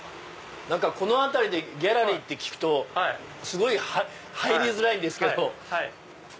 この辺りでギャラリーって聞くとすごい入りづらいんですけど。